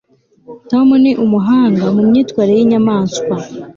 tom ni umuhanga mu myitwarire y'inyamaswa